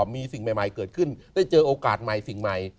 มีสิ่งใหม่เกิดขึ้นได้เจอโอกาสใหม่สิ่งใหม่